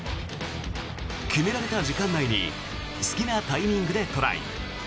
決められた時間内に好きなタイミングでトライ。